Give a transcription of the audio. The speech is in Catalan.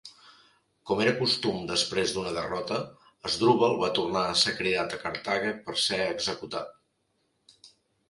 Com era costum després d'una derrota, Hasdrubal va tornar a ser cridat a Carthage per ser executat.